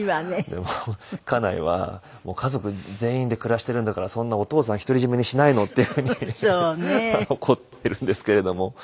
でも家内は「家族全員で暮らしているんだからそんなお父さんを独り占めにしないの」っていうふうに怒ってるんですけれども。